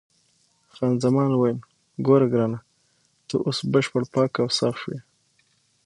خان زمان وویل: ګوره ګرانه، ته اوس بشپړ پاک او صاف شوې.